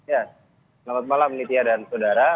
ya selamat malam nitia dan saudara